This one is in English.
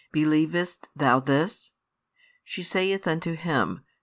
Believest thou this? She saith unto Him.